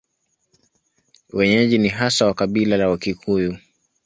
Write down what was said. Wenyeji ni haswa wa kabila la Wakikuyu.